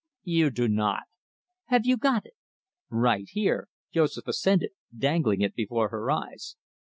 "You do not." "Have you got it?" "Right here," Joseph assented, dangling it before her eyes.